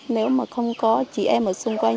nếu mà không có chị em ở xung quanh